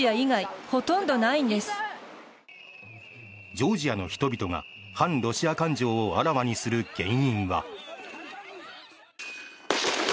ジョージアの人々が反ロシア感情をあらわにする原因は。